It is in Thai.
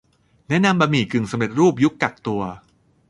แนะนำบะหมี่กึ่งสำเร็จรูปยุคกักตัว